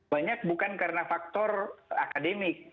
banyak bukan karena faktor akademik